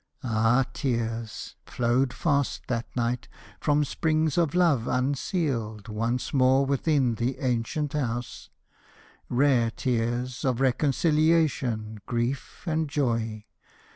Ah, tears Flowed fast, that night, from springs of love unsealed Once more within the ancient house rare tears Of reconciliation, grief, and joy!